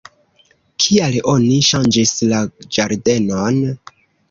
Kial oni ŝanĝis la ĝardenon?